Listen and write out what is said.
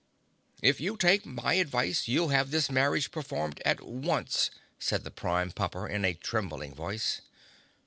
"If you take my advice you'll have this marriage performed at once," said the Prime Pumper in a trembling voice.